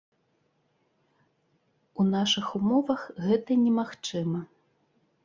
У нашых умовах гэта немагчыма.